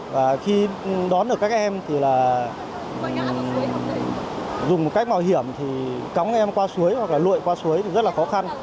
và khi đón được các em thì là dùng một cách nguy hiểm thì cống em qua suối hoặc là lội qua suối thì rất là khó khăn